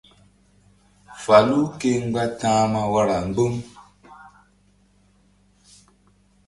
Falu ke mgba ta̧hma wara mbu̧ŋ.